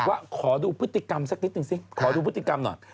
ว่าขอดูพฤติกรรมสักนิดนึงสิขอดูพฤติกรรมหน่อย